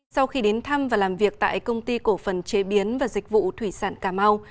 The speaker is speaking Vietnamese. sau khi đến thăm và làm việc tại công ty cổ phần chế biến và dịch vụ thủy sản cà mau